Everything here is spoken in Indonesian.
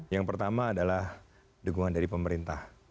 yang pertama adalah dukungan dari pemerintah